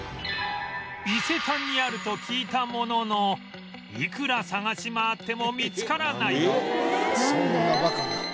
伊勢丹にあると聞いたもののいくら探し回ってもそんなバカな。